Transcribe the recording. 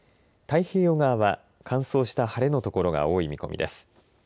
太平洋側は乾燥した晴れの所が多い見込みです。